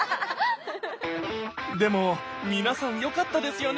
でも皆さん良かったですよね？